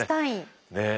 ねえ。